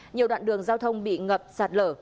nhiều đoạn đường giao thông bị ngập sạt lở